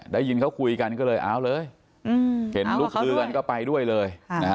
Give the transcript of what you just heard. ได้ยินเขาคุยกันก็เลยเอาเลยเห็นลูกลือกันก็ไปด้วยเลย